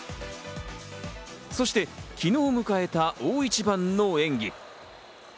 そして昨日迎えた大一番の演技。